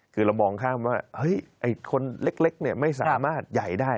คือเรามองข้ามว่าคนเล็กไม่สามารถใหญ่ได้